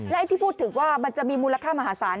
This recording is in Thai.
และไอ้ที่พูดถึงว่ามันจะมีมูลค่ามหาศาล